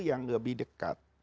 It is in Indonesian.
yang lebih dekat